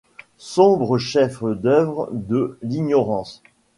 Sombres chefs-d’œuvre de l’ignorance !